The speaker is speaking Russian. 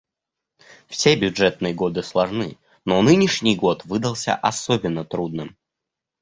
Все бюджетные годы сложны, но нынешний год выдался особенно трудным.